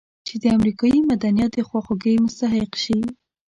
چې د امریکایي مدنیت د خواخوږۍ مستحق شي.